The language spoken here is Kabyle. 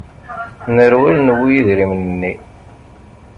Nerwel, newwi idrimen-nni.